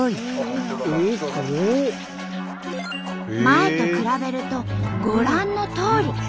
前と比べるとご覧のとおり。